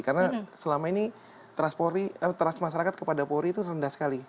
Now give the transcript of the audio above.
karena selama ini trust masyarakat kepada polri itu rendah sekali